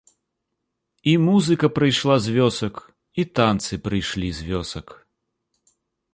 І музыка прыйшла з вёсак, і танцы прыйшлі з вёсак.